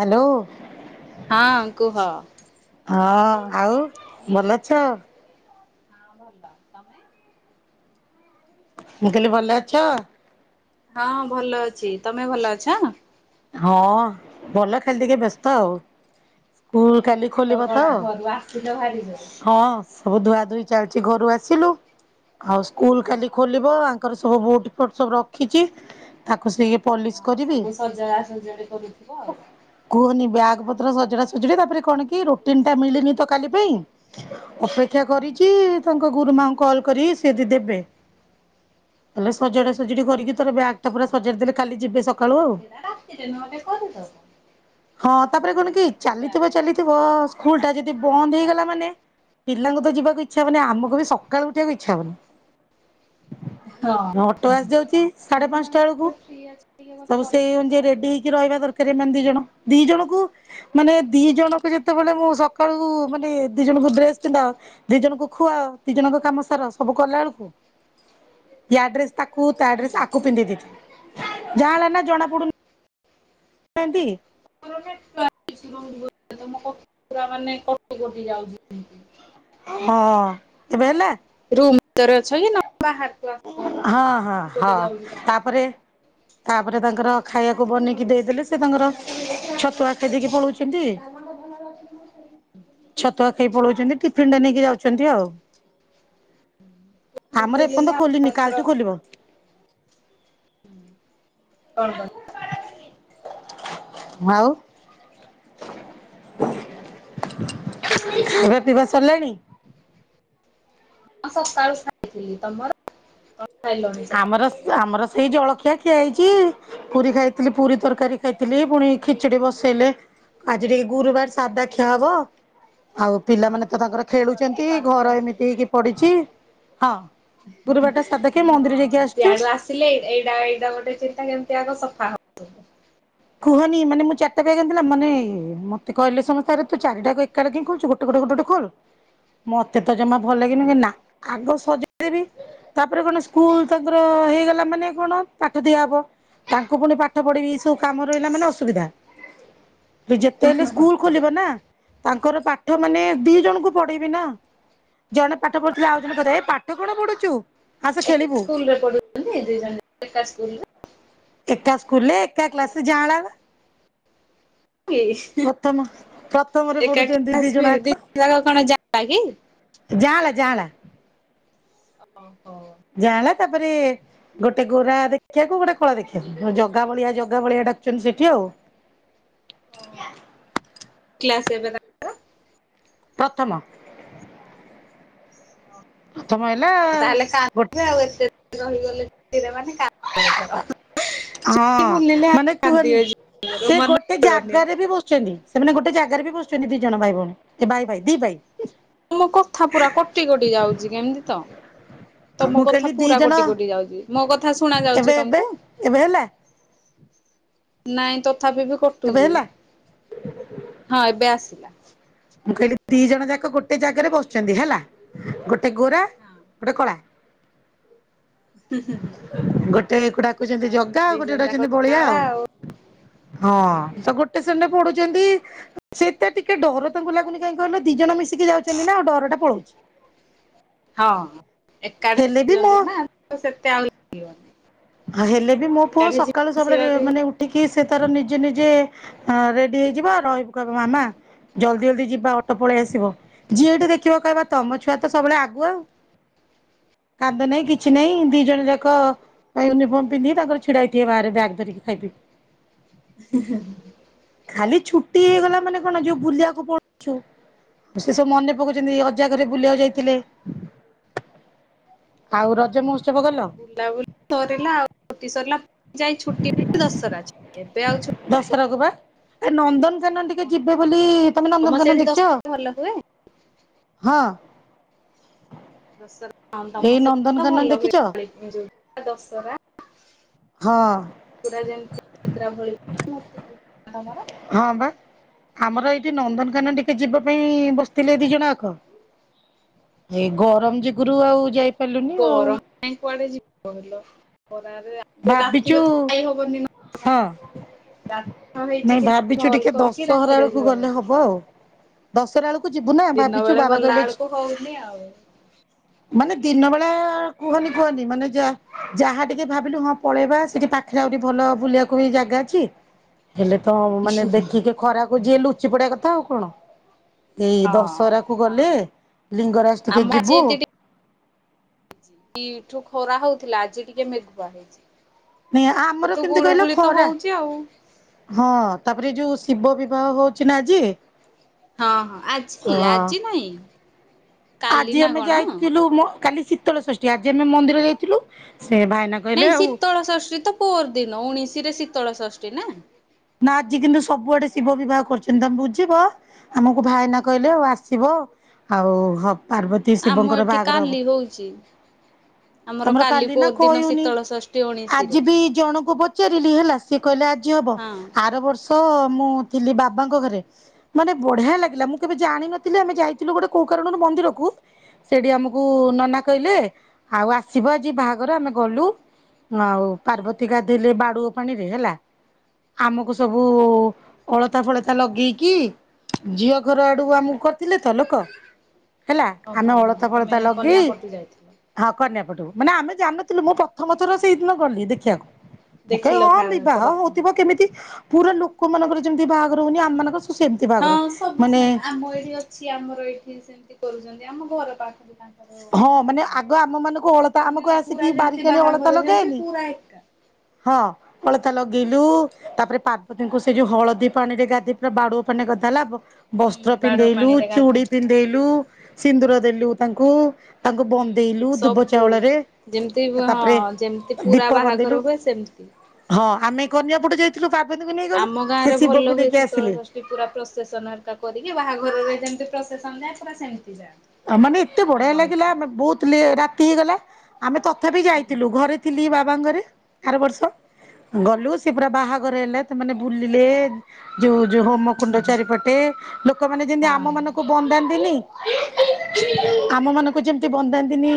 Hello ହଁ କୁହ। ହଁ ଆଉ ଭଲ ଅଛ? ହଁ ଭଲ ତମେ। ମୁଁ କହିଲି ଭଲ ଅଛ! ହଁ ଭଲ ଅଛି ତମେ ଭଲ ଅଛ? ହଁ ଭଲ ଖାଲି ଟିକେ ବ୍ୟସ୍ତ ଆଉ। ସ୍କୁଲ କାଲି ବ୍ୟସ୍ତ ଖୋଲିବ କଣ ତ ଘରୁ ଆସିଲ ଭାରି ଜୋରେ ହଁ ସବୁ ଧୁଆ ଧୁଇ ଆଜି ଘରୁ ଆସିଲୁ? ଆଉ ସ୍କୁଲ କାଲି ଖୋଲିବ ଆଙ୍କ ତାଙ୍କର ସବୁ ବୋଟ ଫୋଟ ସବୁ ରଖିଛି ତାକୁ ସେ ପଲିସ୍ ହଁ କରିବି। ସବୁ ସଜଡା ସଜଡି କରୁଥିବ ଆଉ। କୁହନି ବ୍ୟାଗ ପତ୍ର ସଜଡା ସଜଡି ତାପରେ କଣ କି ରୁଟିନ ଟା ମିଳିନି ତ କାଲି ପାଇଁ ଅପେକ୍ଷା ଓ ହଁ। କରିଛି ତା ତାଙ୍କ ଗୁରୁମାଙ୍କୁ କଲ୍ କରିବି ସେ ଆଜି ଦେବେ ହେଲେ ସଜଡା ସଜଡି କରିକି ତାର ବ୍ୟାଗ୍ ଟା ପୁରା ସଜାଡିଦେଲେ କାଲି ଯିବେ ସକାଳୁ ଆଉ। ସେଇଟା ରାତିରେ ନହେଲେ କରିଦବ ହଁ ତାପରେ ସଜଡା କଣ କି ସଜଡି ବ୍ୟାଗ ଚାଲିଥିବ ଚାଲିଥିବ ସ୍କୁଲ ଟା ଯଦି ବନ୍ଦ ହେଇଗଲା ମା ପିଲାଙ୍କୁ ତ ଯିବାକୁ ଇଚ୍ଛା ହବନି ଆମୁକୁ ବି ସକାଳୁ ଉଠିବାକୁ ଇଚ୍ଛା ହବନି। ହଁ ଅଟୋ ଆସିଯାଉଛି ସାଢେ ପାଞ୍ଚଟା ବେଳକୁ ଦିନରେ ଫ୍ରି ଅଛ ବୋଲି ସବୁ ସେଇ କରିଦଉଚ ଆଉ। [unintelligible] ରହିବା ଦରକାର ଏମାନେ ଦି ଜଣ ଦି ଜଣଙ୍କୁ ମାନେ ଦି ଜଣକୁ ଯେତେବେଳେ ମୁଁ ସକାଳୁ ମାନେ ଦି ଜଣଙ୍କୁ ଡ୍ରେସ ପିନ୍ଧାଅ ଦି ଜଣଙ୍କୁ ଖୁଆଅ ଦି ଜଣଙ୍କ କାମ ସାର ସବୁ କଲା ବେଳୁକୁ ଯା ଡ୍ରେସ୍ ତାକୁ ତା ଡ୍ରେସ୍ ଆକୁ ପିନ୍ଧେଇ ଦେଇଥିବି। ଯାଆଁଳା ନା ଜଣା ପଡୁନି। ନାହାନ୍ତି। [unintelligible] କଟି କଟି ଯାଉଚି। ହଁ ଏବେ ହେଲା। ରୁମ୍ ଭିତରେ ଅଛ କି ନା ବାହାରେ? ହଁ ଟିକେ ହଁ କଟି କଟି ହଁ ଯାଉଛି ତମ କଥା ତାପରେ ପୁରା। ତାପରେ ତାଙ୍କର ଖାଇବାକୁ ବନେଇକି ଦେଇଦେଲେ ସେ ତାଙ୍କର ଛତୁଆ ଖାଇ ଦେଇକି ପଳଉଚନ୍ତି [unintelligible] ଛତୁଆଖାଇ ପଳଉଛନ୍ତି ଟିଫିନ ଟା ନେଇକି ଯାଉଛନ୍ତି ଆଉ। ଆମର ଏପର୍ଯ୍ୟନ୍ତ ଫୁଲିଲା ଆଉ ଖୋଲିନି ଏଥର କାଲିଠୁ ଖୋଲିବ। [inaudible] କଣ କହିଲ? ଆଉ [inaudible] ହାଲୋ ଖାଇବା ପିଇବା ସରିଲାଣି? ହଁ ସକାଳୁ ଖାଇଥିଲି ତମର? ଖାଇଲଣି ସକାଳୁ ଆମର ସ ଆମର ସେଇ ଜଳଖି ଖିଆ ଖିଆ ହେଇଛି ପୁରୀ ଖାଇଥିଲି ପୁରୀ ତରକାରୀ ଖାଇଥିଲି ପୁଣି ଖିଚିଡି ବସେଇଲେ ଆଜି ଟିକେ ଗୁରୁବାର ସାଧା ଖିଆ ହବ ଆଉ ପିଲାମାନେ ତ ତାଙ୍କର ହଁ ତ ଖେଳୁଛନ୍ତି ସାଧା ଘର ଆଉ ଏମିତି ହେଇକି ପଡିଛି ହଁ ଗୁରୁବାରଟା ସାଧା ଖି ହଁ ସେଆଡୁ ଆସିଲେ ଏଇଟା ଏଇଟା ଗୋଟେ ଚିନ୍ତା କେମିତି ସଫା ହବ। କୁହନି ମାନେ ମୁଁ ଚାରିଟା [unintelligible] ମାନେ ମତେ କହିଲେ ସମସ୍ତେ ଆରେ ତୁ ଚାରିଟା କ ଏକାବେଳେ କାଇଁ ଖୋଲୁଛୁ ଗୋଟେ ଗୋଟେ ଗୋଟେ ଗୋଟେ ଖୋଲ ମତେ ତ ଜମା ଭଲ ଲାଗେନି ନା ଆଗ ସଜେଇଦେବି ତାପରେ କଣ ସ୍କୁଲ ତାଙ୍କର ହେଇଗଲା ମାନେ କଣ ପାଠ ଦିଆହବ ତାଙ୍କୁ ପୁଣି ପାଠ ପଢିବି ସବୁ କାମ ରହିଲା ମାନେ ଅସୁବିଧା। ଯେତେ ହେଲେ ସ୍କୁଲ ଖୋଲିବ ନା। ତାଙ୍କର ପାଠ ମାନେ ଦି ଜଣଙ୍କୁ ପଢେଇବି ନା ଜଣେ ପାଠ ପଢୁଥିଲେ ଆଉ ଜଣ କହୁଥିବ ଏ ପାଠ କଣ ପଢୁଛୁ ଆସେ ଖେଳିବୁ ସ୍କୁଲରେ ପଢୁଛନ୍ତି ଦି ଜଣ ଯାକ ଏକା ସ୍କୁଲରେ? [inaudible] ଏକା ସ୍କୁଲରେ ଏକା କ୍ଲାସରେ ଯାଆଁଳା ବା। ପ୍ରଥମରେ ଏକାଠି ପଢୁଛନ୍ତି ଜଣ ଆସିବେ ଯାକ ଦି ଜଣ ଯାକ କଣ ଯାଆଁଳା କି? ଯାଆଁଳା ଯାଆଁଳା । ଓହୋ । ଯାଆଁଳା ତାପରେ ଗୋଟେ ଗୋରା ଦେଖିବାକୁ ଗୋଟେ କଳା ଦେଖିବାକୁ ଜଗା ବଳିଆ ଜଗା ବଳିଆ ଡାକୁଛନ୍ତି ସେଠି ଆଉ ହଁ। । [inaudible] [unintelligible] ପ୍ରଥମ । ତାହେଲେ ସାଥ ଗୋ ଯିବେ ଆଉ ଏତେ ରହିଗଲେ ପିଲାମାନେ । ହଁ ଖୋଲିଲେ ଆଉ ମାନେ କୁହନି କାନ୍ଦିବେ ଜୋରେ ସେ ମନ ଗୋଟେ ରହିବନି। ଜାଗାରେ ବି ବସୁଛନ୍ତି । ସେମାନେ ଗୋଟେ ଜାଗାରେ ବି ବସୁଛନ୍ତି ଦି ଜଣ ଭାଇ ଭଉଣୀ ଏ ଭାଇ ଭାଇ ଦି ଭାଇ । ମୋ କଥା ପୁରା କଟି କଟି ଯାଉଛି କେମିତି ତ । ତମ ମୁଁ କଥା କହିଲି ଦି ପୁରା ଜଣ କଟି କଟି ଯାଉଛି ମୋ କଥା ଶୁଣା ଏବେ ଯାଉଛି ଏବେ ତମକୁ ଏବେ ହେଲା । ନାଇଁ ତ । ତଥାପି ବି ଏବେ କଟୁଛି ହେଲା ହଁ ଏବେ ଆସିଲା । ମୁଁ କହିଲି ଦି ଜଣ ଯାକ ଗୋଟେ ଜାଗାରେ ବସୁଛନ୍ତି ହେଲା ଗୋ ଗୋଟେ ଗୋରା ହଁ ଗୋଟେ କଳା । ଗୋଟେ ତ ଏକୁ ଡା କୁଛନ୍ତି ଜଗା ଆଉ ଦି ଗୋଟେ ଗୋଟେ ଜଣ ଯାକ ଡାକୁଛନ୍ତି ବଳିଆ ହେଲା ଆଉ ହଁ ତ ଗୋଟେ ଶ୍ରେ ପଢୁଛନ୍ତି ସେଟା ଟିକେ ଡର। ତାଙ୍କୁ ଲାଗୁନି କାହିଁକି କହିଲ ଦି ଜଣ ମିଶିକି ଯାଉଛନ୍ତି ନା ଆଉ ଡରଟା ପଳଉଛି । ହଁ ଏକାଠ ବି ମୋ ଜାଉଛନ୍ତି ନା ତ ସେତେ ଆଉ ଲାଗିବନି । ହେଲେ ବି ମୋ ପୁଅ ସକାଳୁ ଆସିବା ସବୁବେଳେ ବି ମାନେ ଉଠିକି କି ସେ ତାର ନିଜେ ନିଜେ ରେଡି ହେଇଯିବ ରହିବୁ କହିବ ମାମା ଜଲଦି ଜଲଦି ଯିବା ଅଟୋ ପଳେଇ ଆସିବ ଯିଏଠି ଦେଖିବ କହିବା ତମ ଛୁଆ ତ ସବୁବେଳେ ଆଗୁଆ କାନ୍ଦ ନାଇଁ କିଛି ନାଇଁ ଦି ଜଣ ଯାକ । ୟୁନିଫର୍ମ ପିନ୍ଧିକି ତାଙ୍କର ଛିଡା ହେଇଥିବ ବାହାରେ ବ୍ୟାଗ୍ ଧରିକି ଖାଇପିଇକି । [unintelligible] ଖାଲି ଛୁଟି ହେଇଗଲା ମାନେ କଣ ଯୋଉ ବୁଲିବାକୁ ପଳଉଛୁ ସେ ସବୁ ମନେ ପକଉଛନ୍ତି ଅଜା ଘରେ ବୁଲିବାକୁ ଯାଇଥିଲେ ଆଉ ରଜ ମହୋ ହୋତ୍ସବ ଗଲ । ରିଲା ଆଉ ଛୁଟି ସରିଲା ଯାଇ ଛୁଟି ଦଶରା । ଆଚ୍ଛା ଏବେ ଆଉ ଛୁଟି ନାହିଁ ଦଶହରା କୁ ବା ଏ ନନ୍ଦନ କାନନ ଟିକେ ପୁଣି ଯିବ ବୋଲି ଦଶହରା। ତମେ ତମ ନନ୍ଦନକାନନ ସେଠି ଦେଖିଛ ଦଶହରା ଭଲ ହୁଏ ହଁ। ଦଶହରା ହଁ ଏଇ ତମ ସେଠି ତ ନନ୍ଦନକାନନ ଭଲ ଦେଖିଛ? ହୁଏ ଯୋଉ ଦଶହରା। ହଁ। ପୁରା ଯେମିତି ଯାତ୍ରା ଭଳି ମୂର୍ତ୍ତି ପୂଜା ତମର ହଁ ବା ଆମର ଏଇଠି ନନ୍ଦନକାନ ଟିକେ ଯିବ ହେଇ ବସିଥିଲେ ଦି ଜଣ ଜାକ ଏ ଗରମ ଯୁଗୁରୁ ଆଉ ଯାଇ ଗରମ ପାଇଁ କୁଆଡେ ଯିବ କହିଲ ଖରାରେ ଭାବିଛୁ ରାତିରେ ତ ଯାଇ ହବନି ହଁ ନନ୍ଦନ କାନନ ନାଇଁ ରାତିରେ ଭାବିଛୁ ରୋଲ୍ ଟିକେ ଦଶହରା ଫୋଲ ଦଶରା ବଳକୁ ଦିନ ବେଳେ ଗଲା ଆଳକୁ ହଉନି ଆଉ ମାନେ ଦିନବେ ଏ ହଁ କୁହନି କୁହନି ମାନେ ଯା ଯାହା ଟିକେ ଭାବିଲୁ ହଁ ପଳେଇବା ସେଠି ପାଖରେ ଆହୁରି ଭଲ ବୁଲିବାକୁ ଜାଗା ଅଛି। ହେଲେ ତ ମାନେ ଦେଖିକି ଖରାକୁ ଯିଏ ଲୁ ଚି ପଡିବା କଥା ଆଉ କଣ? ଏଇ ଦଶହରା କୁ ଗଲେ ଲିଙ୍ଗରାଜ ଟିକେ ଆମ ଯିବୁ। ଆଜି କାଲିଠୁ ଖରା ହଉଥିଲା ଆଜି ଟିକେ ମେଘୁଆ ହେଇଚି। ନା ଆମର କେମିତି କହିଲା ଖରା ହଉଛି ଆଉ ହଁ ତାପରେ ଯୋଉ ଶିବ ବିବାହ ହଉଛି ନା ଆଜି ହଁ ହଁ ଆଜି ହଁ। ଆଜି ନାଇଁ କାଲି ଆଜି ନା ଆମେ କଣ ଯାଇଥିଲୁ ମ କାଲି ସି ଶୀତଳ ଷଷ୍ଠୀ ଆଜି ଆମେ ମନ୍ଦିର ଯାଇଥିଲୁ। ସେ ଭାଇନା କହିଲେ ନାଇଁ ଆଉ ଶୀତଳ ଷଷ୍ଟି ତ ପର ଦିନ ଉଣଶିରେ ଶି ତଳ ଷଷ୍ଠୀ ନା ନା ଆଜି କିନ୍ତୁ ସବୁଆଡେ ଶିବ ବିବାହ କରୁଛନ୍ତି ତମେ ବୁଝିବ ଆମକୁ ଭାଇନା କହିଲେ ଆଉ ଆସିବ ଆଉ ହବ୍ ପାର୍ବତୀ ଆମ ଶିବଙ୍କର ଏଠି ବାହାଘର ହବ। କାଲି ହଉଛି। ଆମର ତମର କାଲି ନା ପୋର ଦିନ କହିଉନି ଶୀତଳ ଷଷ୍ଠୀ ଉଣେଇଶିରେ ଆଜି ବି ଜଣଙ୍କୁ ପଚାରିଲି ହେଲା ସିଏ କହିଲେ ଆଜି ହବ ହଁ। ଆର ବର୍ଷ ମୁଁ ହଁ ଥିଲି ବାବାଙ୍କ ଘରେ ମାନେ ବଢିଆ ଲାଗିଲା ହଁ ମୁଁ କେବେ ଜାଣିନଥିଲି ଆମେ ଯାଇଥିଲୁ ଗୋଟେ କୋଉ କାରଣ ରୁ ମନ୍ଦିରକୁ ସେଠି ଆମକୁ ନନା କହିଲେ ଆଉ ଆ ଶିବଜି ବାହାଘର ଆମେ ଗଲୁ ଆଉ ପାର୍ବତୀ ଗାଧଇଲେ ବାଡୁଅ ପାଣିରେ ହେଲା ଆମକୁ ସବୁ ଅଳତା ଫଳତା ଲଗେଇକି ଝିଅ ଘର ଆଡୁ ଆମକୁ କରିଥିଲେ ତ ଲୋକ ହେଲା ଆମେ ଓହୋ ଅଳତା ତମେ ଫଳତା କନ୍ୟା ଲଗେଇ ପଟୁ ଯାଇଥିଲ ହଁ କନ୍ୟା ପଟୁ ମାନେ ଆମେ ଜାଣି ନଥିଲୁ ମୁଁ ପ୍ରଥମ ଥର ସେଇଦିନ ଗଲି ଦେଖିବାକୁ ମୁଁ କହେ ଦେଖିଲ ହଁ ଭା ବିବାହ ରଥ। ହଉଥିବ କେମିତି ପୁରା ଲୋକ ମାନଙ୍କର ଯେମିତି ବାହାଘର ହଉନି ଆମ୍ ମାନଙ୍କ ହଁ ସବୁ ସେମ ଆମ ଏଇଠି ଅଛି ଆମର ଏଇଠି ସେମତି କରୁଛନ୍ତି ଆମ ଘର ପାଖରେ ତାଙ୍କ ହଁ ମାନେ ଆଗ ଆମ ମାନଙ୍କୁ ଅଳତା ମାନେ ଆମକୁ ଆସିକି ପୁରା ଯେମିତି ବାରିକଣ ଅଳତା ବାହାଘର ଯେମିତି ଲଗାଏନି ପୁରା ଏକା। ହଁ ଅଳ ଲଗେଇଲୁ ତାପରେ ପାର୍ବତୀଙ୍କୁ ସେ ଯୋଉ ହଳଦୀ ପାଣି ରେ ଗାଧ ପୁରା ବାଡୁ ପାଣିରେ ଗାଧା ହେଲା। ହୁଁ ବସ୍ତ୍ର ବାଡୁଅ ପିନ୍ଧେଇଲୁ ପାଣିରେ ଚୁଡି ଗାଧାନ୍ତି। ପିନ୍ଧେଇଲୁ ସିନ୍ଦୁର ଦେଲ ତାଙ୍କୁ ତାଙ୍କୁ ହୁଁ ବନ୍ଦେଇଲୁ ଧୁବ ସବୁ ଚାଉଳରେ ଯେମିତି ହଁ ତାପରେ ଯେମିତି ପୁରା ଦୀପ ବାହାଘର ବନ୍ଦେଇଲୁ ହୁଏ ସେମିତି। ହଁ ଆମେ କନ୍ୟା ପଟୁ ଯା [unintelligible] ଆମ ଗାଁ ରେ ଭଲ ହୁଏ ଶୀତଳ ଷଷ୍ଠୀ ପୁରା ପ୍ରସେସନ ହେରିକା କରିକି ବାହାଘରରେ ଯେମିତି ପ୍ରସେସନ ଯାଏଁ ସେମିତି ଯାଆନ୍ତି ଆ ମାନେ ଏତେ ଆମ ବଢିଆ ଲାଗିଲା ଏଠି ଆମେ ବହୁତ ଲେ ରାତି ହେଇଗଲା। ଆମେ ତ ତଥାପି ବିି ହୁଁ। ଯାଇଥିଲୁ ଘରେ ଥିଲି ବା [unintelligible] ରେ ଆର ବର୍ଷ ଗଲୁ ସେ ପୁରା ବାହାଘର ହେଲେମାନେ ବୁଲିଲେ। ଯୋଉ ଯୋଉ ହୋମ କୁଣ୍ଡ ଚାରିପଟେ ଲୋକମାନେ ଯେମିତି ଆମ ହଁ। ମାନଙ୍କୁ ବନ୍ଦାନ୍ତିନି ହଁ। ହୁଁ ଆମ ମାନଙ୍କୁ ଯେମତି ବନ୍ଦାନ୍ତିନି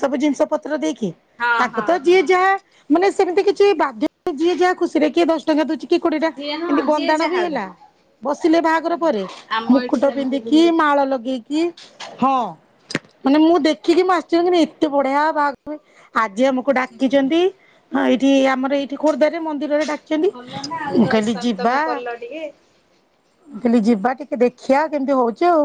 ସବୁ ଜିନିଷ ପତ୍ର ଦେଇକି? ହଁ ତାକୁ ହଁ ତ ହଁ ଯିଏ ଯାହା ମାନେ ସେମିତି କିଛି ବାଧ୍ୟ ଯିଏ ଯାହା ଖୁସି ରେ କିଏ ଦଶ ଟଙ୍କା ଦଉଛି। କି କୋଡିଟା ଯିଏ ହଁ ଏତି ଯିଏ ବନ୍ଦାଣ ବି ଯାହା ହେଲା ଦେଲା। ବସିଲେ ବାହାଘର ହୁଁ ପରେ ଆମ ଏଠି ମୁକୁଟ ସେମିତି ବି ପିନ୍ଧିକି ହୁଏ ମାଳ ଲଗେଇକି? ହଁ ମାନେ ମୁଁ ଦେଖିକି ମୁ ଆସିିବ କି ଏତେ ବଢିଆ ବାଘ ଯିଏ ଆମକୁ ଡାକିଛନ୍ତି। ହଁ ଏଠି ଆମର ଏଇଠି ଖୋରଧା ମନ୍ଦିରରେ ଡାକିଛନ୍ତି ଭଲ ନା ଆଉ ମୁ କାଲି ଦର୍ଶନ ଯିବା ତମେ କଲ ଟିକେ। ଖାଲି ଯିବା ଟିକେ ଦେଖଆ କେମିତି ହଉଛି ଆଉ?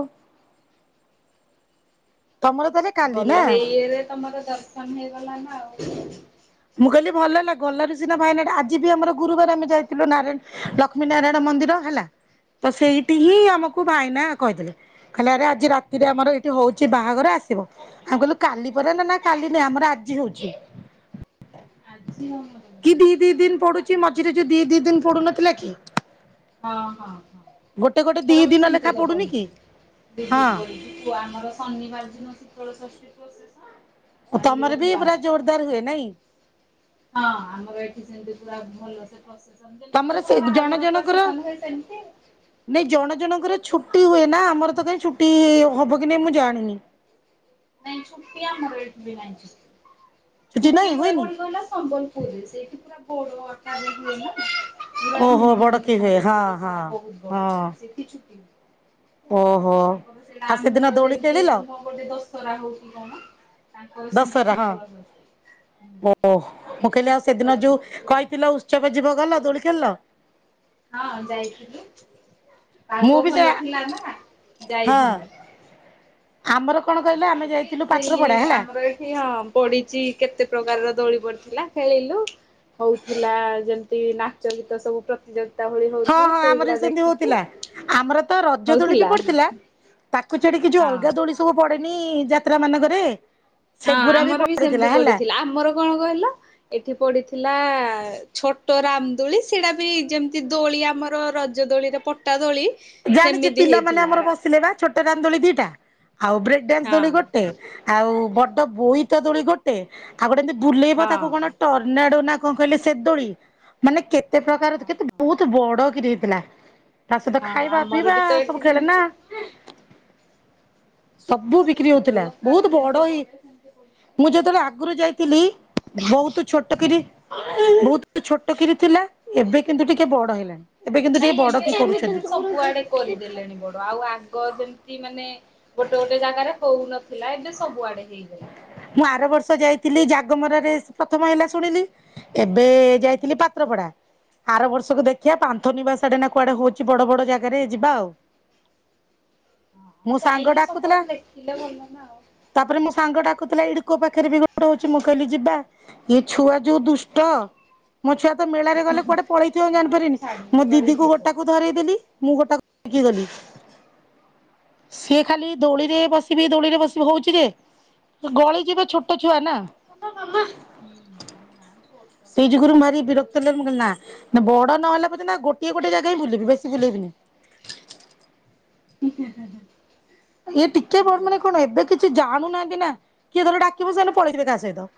ତମର ତାହେଲେ କାଲି ନା ଭଲ ହେଇରେ ତମର ଦର୍ଶନ ହେଇଗଲା ନା ଆଉ ମୁଁ କହିଲି ଭଲ ହେଲା ଗଲରେ ସିନା ଭାଇନା ଆଜି ବି ଆମର ଗୁରୁବାର ଆମେ ଯାଇଥିଲୁ ନାରାୟଣ ଲକ୍ଷ୍ମୀ ନାରାୟଣ ମନ୍ଦିର ହେଲା ତ ସେଇଠି ହିଁ ଆମକୁ ଭାଇନା କହିଦେଲେ କହିଦେଲେ ଆରେ ଆଜି ରାତିରେ ଆମର ଏଇଠି ହଉଛି ବାହାଘର ଆସିବ ଆମେ କହିଲୁ କାଲି ପରେ ନା ନା କାଲି ନାଇଁ ଆମର ଆଜି ହଉଛି। ଆଜି ଆମର [inaudible] କି ନାହିଁ ଦିଇ ଦିଇ ସେଟା ଆମର ଦିନ ପଡୁଛି କାଲି। ମଝିରେ ଯ ଦି ଦି ଦିନ ପଡୁନଥିଲା କି? ହଁ ହଁ ହଁ ଗୋଟେ ଗୋଟେ ଦି ଏଥର ବି ଦିନ ଲେଖା ସେମିତି ତ ପଡୁନି କି ହଁ ପଢିଛି ଆମର ଶନିବାର ଦିନ ଶୀତଳ ଷଷ୍ଠୀ କସ ସ ଓ ତ ଅମର ବି ପୁରା ଜୋରଦାର ହୁଏ ନାଇଁ? ହଁ ଆମର ଏଠି ସେମତି ପୁରା ଭଲ ସେ ପ୍ରସି ତମର ସେ ଜଣ ଜଣଙ୍କର ସେମିତି ନାଇଁ ଜଣ ଜଣଙ୍କର ଛୁଟି ହୁଏ ନା ଆମର ତ କାଇଁ ଛୁଟି ହବ କି ନାଇଁ ମୁଁ ଜାଣିନି। ନାଇଁ ଛୁଟି ଆମର ଏଠି ବି ନାଇଁ। [inaudible] ଛୁଟି ନାଇଁ ହୁଏ ହୁଏନି କୋଉଠି କହିଲ ସମ୍ବଲପୁରରେ ସେଇଠି ପୁରା [unintelligible] ବି ହୁଏ ନା। ପୁରା ଓହୋ ଧୁମ୍ ବଡକି ଧାମରେ ହୁଏ ହଁ ସମ୍ବଲପୁରରେ ହଁ ସେଇଟା ବହୁତ ବଡ ହଁ ଜାଗା ସେଠି ଛୁଟି ହୁଏ। ଓହୋ। ତାଙ୍କର ସେଇଟା ଆଉ ସେଦିନ ଆମର ଦୋଳି ଯେମିତି ଖେଳିଲ ତମ ଗୋଟେ ଦଶ ଖରା ହଉଛି କାଣା? ଦଶହରା ହଁ ଓ ତାଙ୍କର ମୁଁ କହିଲି ସେମିତି ଆଉ ସେଦିନ ଶୀତଳ ଯୋଉ ଷଷ୍ଠୀ ପୁରା କହିଥିଲ ଉତ୍ସବ ଯିବ ଗଲ ଦୋଳି ଖେଳିଲ। ହଁ ଯାଇଥିଲି ମୁଁ ପାଗ ବି ସେ ଭଲ ଥିଲା ନା ହଁ ଯାଇଥିଲୁ। ଆମର କଣ କହିଲ ଆମେ ଯାଇକି ଯାଇଥିଲୁ ସେଇ ପାତ୍ରପଡା ହେଲା ଆମର ଏଠି ହଁ ପଡିଛି କେତେ ପ୍ରକାରର। ଦୋଳି ପଡ଼ିଥିଲା ଖେଳିଲୁ ହଉଥିଲା ଯେମିତି ନାଚ ଗୀତ ସବୁ ପ୍ରତିଯୋଗି ହଁ ହଁ ଆମର ବି ସେମତି ହଉଥିଲା ଆମର ତ ରଜ ଦୋଳି ବି ହଉଥିଲା ପଡିଥିଲା। ତାକୁ ଛାଡିକି ଯୋଉ ଅଲଗା ହଁ ଦୋଳି ସବୁ ପଡେଇ ନି ଯାତ୍ରା ମାନଙ୍କରେ ହଁ ସେଗୁରା ଆମର ବି ପଡିଥିଲା ସେମିତି ହେଲା ପଡିଥିଲା ଆମର କଣ କହିଲ ଏଠି ପଡିଥିଲା। ଥିଲା ଛୋଟ ରାମଦୋଳି ସେଇଟା ବି ଯେମିତି ଦୋଳି ଆମର ରଜ ଦୋଳିରେ ପଟା ଦୋଳି ଜାଣିଛେ ସେମିତି ପିଲାମାନେ ହେଇଥିଲା ଆମର ରା ବସିଲେ ବା ଛୋଟ ଦୋଳି ଦିଇଟା ଆଉ ବ୍ରେକ୍ ଡ୍ୟାନ୍ସ ହଁ ଦୋଳି ଗୋଟେ ଆଉ ବଡ ବୋଇ ତ ଦୋଳି ଗୋଟେ, ଆଉ ଗୋଟେ ଏମିତି ବୁଲେଇବ ତାକୁ ହଁ କଣ ଟର୍ନାଡୋ ନା କଣ କହିଲେ ସେ ଦୋଳି ମାନେ କେ ତେ ପ୍ରକାର କେତେ ବହୁତ ବଡ କିରି ଥିଲା। ହଁ ଖାଇବା ଆମର ପିଇବା ବି ତ ଏଠି ସବୁ ଖେଳେନା ସେମିତି ସବୁ ବିକ୍ରି ସବୁ ହଉଥିଲା ଦୋକାନ ବହୁତ ଯେମିତି ବଡ ହେଇ ପଡେ ସେମିତି ପଡିଥିଲା ମୁଁ ଯେତେବେଳେ ଆଗରୁ ଯାଇଥିଲି ବହୁତ ଛୋଟ କିରି ବହୁତ ଛୋଟ କିିରି ଥିଲା ଏବେ କିନ୍ତୁ ଟିକେ ବଡ ହେଲାଣି। ଏବେ କିନ୍ତୁ ଟିକେ ନାଇଁ ବଡ ଏବେ କି ଧୀରେ ଧୀରେ କରୁଛନ୍ତି। ସବୁଆଡେ କରିଦେଲେଣି ବଡ। ଆଉ ଆଗ ଯେମିତି କି ମାନେ ଗୋଟେ ଗୋଟେ ଜାଗାରେ ହଉ ଥିଲା ଏବେ ସବୁଆଡେ ହେଇଗଲାଣି। ଥିଲି ଜାଗମରାରେ ପ୍ରଥମ ହେଲା ଶୁଣିଲି ଏବେ ଯାଇଥିଲି ପାତ୍ରପଡା ଆର ବର୍ଷକୁ ଦେଖିବା ପାନ୍ଥ ନିବାସ ଆଡେ ନା କୁଆଡେ ହଉଛି ବଡ ବଡ ଜାଗାରେ ଯିବା ଆଉ। ହଁ ମୋ ସାଙ୍ଗ ଯାଇକି ଡାକୁଥିଲା ସବୁଆଡେ ଦେଖିଲେ ଭଲ ନା। ଆଉ ତାପରେ ମୋ ସାଙ୍ଗ ଟା କୁଥିଲେ ଏ କୋଉ ପାଖରେ ବି ଗୋଡ ହଉଛି ମୁଁ କହିଲି ଯିବା ଏଇ ଛୁଆ ଯୋଉ ଦୁଷ୍ଟ ମୋ ଛୁଆ ତ ମେଳାରେ ଗଲେ କୁଆଡେ ପଳେଇଥିବ ମୁ ଛୁଆଙ୍କୁ ଜଣିପାରିବିନି ଛାଡିକି ମୋ କୁଆଡେ ଦିଦିକୁ ଯିବ। ହୁଁ ଗୋଟାକୁ ଧରଇ ଦେଲି ମୁଁ ଗୋଟାକୁ ଯିବନି ସେ ଖାଲି ଦୋଳିରେ ବସିବି ଦୋଳିରେ ବସି ବି ହଉଛି ଯେ ଗଳି ଯିବ ଛୋଟ ଛୁଆ ନା? ନାଇଁ ଛୋଟ ସେଇ ପିଲାଙ୍କୁ ଯୁଗୁରୁ ଏଇନା ଭାରି କୋଉଠି ବିରକ୍ତ ମୁଁ କହିଲ ବୁଲିବାକୁ ନେଇକି ନା ଛାଡିବ। ବଡ ନହଲା ପ ନା ଗୋଟିଏ ଗୋଟିଏ ଜାଗା ହିଁ ବୁଲିବି ବେଶି ବୁଲେଇବିନି। ହୁଁ ହୁଁ ହୁଁ। ଇଏ ଟିକେ ବଡ ମାନେ କଣ ଏବେ କିଛି ଜାଣୁନାହାନ୍ତି ନା? କିଏ ଧର ଡାକିବ ସେ ପଳେଇଥିବେ କା ସହିତ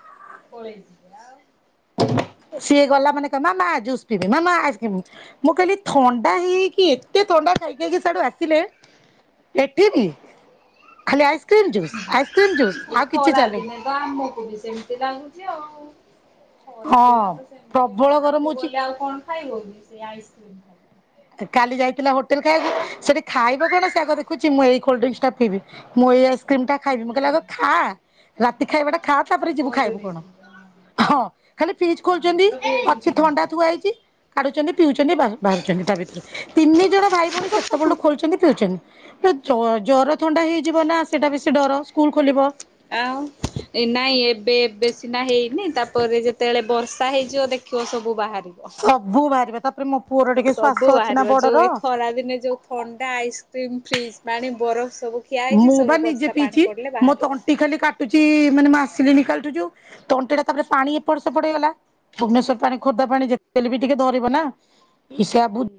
ପଳେଇ ଯିବେ ଆଉ ସିଏ ଗଲା ମାନେ କହିବ ମାମା ଜୁସ୍ ପିିଇବ ମାମା ଆଇସ୍କ୍ରିମ୍ ମୁଁ କହିଲି ଥଣ୍ଡା ହେଇକି ଏତେ ଥଣ୍ଡା ଖାଇ ଖାଇକି ସିୟାଡୁ ଆସିଲେ ଏଠି ବି? ଖାଲି ଆଇସ୍କ୍ରିମ୍ ଜୁସ୍ ଆଇସ୍କ୍ରିମ୍ ଜୁସ୍ ଏଇ ଆଉ କିଛି ଖରା ଚାଲିନି ଦିନେ ତ ଆମକୁ ବି ସେମତି ଲାଗୁଛି ଆଉ ହଁ ଖରାଦିନେ ତ ସେମିତି ପ୍ରବଳ ଗରମ ବାହାରକୁ ହଉଛି ଗଲେ ଆଉ କଣ ଖାଇବକି ସେ ଆଇ କ୍ରିମ ଖାଇବି କାଲି ଯାଇଥିଲା ହୋଟେଲ ଖାଇବାକୁ ସେଠି ଖାଇବ କଣ ସେ ଆଗ ଦେଖୁଛି ମୁଁ ଏଇ କୋଲଡ୍ରିଙ୍କସ ଟା ପିଇବି ମୁଁ ଏଇ ଆଇସ୍ କ୍ରିମ ଟା ଖାଇବି ମୁଁ କହିଲି ଆଗ ଖାଆ ରାତି ଖାଇବାଟା ଖା ତା ତାପରେ ଯିବୁ ପରେ ଖାଇବୁ କଣ ଦେଖିବ ଆମର ହଁ ଖାଲି ଫ୍ରିଜ ଖୋଜୁଛନ୍ତି ବି ଏଇଠି ଅଛି ଥଣ୍ଡା ସେମିତି। ଥୁଆ ହେଇଛି। କାଢୁଛନ୍ତି ପିଉଛନ୍ତି ବାହା ବାହାରୁଛନ୍ତି ତା ଭିତରୁ ତିନି ଜଣ ଭାଇ ଭଉଣୀ ସେତେ ବେଳଠୁ ଖୋଲୁଛନ୍ତି ପିଉଛନ୍ତି। ଏ ଜ ଜର ଥଣ୍ଡା ହେଇଯିବ ନା ସେଇଟା ବି ଡର ସ୍କୁଲ ଖୋଲିବ ଆଉ ପରେ ଯେତେବେଳେ ବର୍ଷା ହେଇଯିବ ଦେଖିବ ସବୁ ବାହା ସବୁ ବାହାରିବ ତା ସବୁ ବାହାରିବ ଯୋଉ ଏ ଖରା ଦିନେ ଯୋଉ ଥଣ୍ଡା ଆଇସ୍କ୍ରିମ ଫ୍ରିଜ୍ ପାଣି ବରଫ୍ ମୁଁ ବା ନିଜେ ପିଇଛି ମୋ ତ ବାହାରିବ। ଅଣ୍ଟି ଖାଲି କାଟୁଛି। ମାନେ ମୁଁ ଆସିଲି କାଲିଠୁ ଯୋଉଁ ତଣ୍ଟି ଟା ତାପରେ ପାଣି ଏପଟ ସେପଟ ଗଲା ଭୁବନେସ୍ଵର ପାଣି ଖୋର୍ଦ୍ଧା ପାଣି ଯେତେବେଳେ ବି ଟିକେ ଧରିବ ନାଇ ସେ ହୁଁ